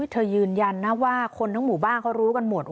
เธอยืนยันว่าคนทั้งหมู่บ้านเขารู้กันหมด